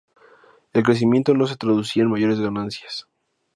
El crecimiento no se traducía en mayores ganancias.